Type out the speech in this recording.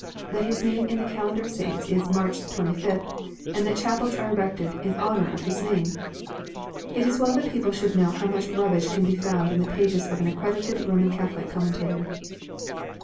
that his name in the calendar of saints is March the 25th, and thai chapels are erected in honor of his name I It is well that people should know how much rubbish can be found in the pages of an accredited Roman Catholic commentator.